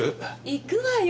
行くわよ。